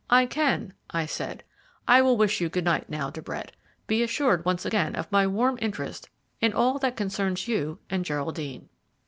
"I can," I said. "I will wish you good night now, De Brett. Be assured once again of my warm interest in all that concerns you and Geraldine."